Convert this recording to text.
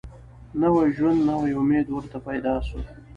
نوی ژوند نوی امید ورته پیدا سو